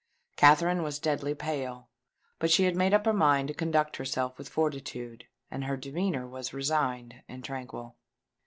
Katherine was deadly pale; but she had made up her mind to conduct herself with fortitude; and her demeanour was resigned and tranquil.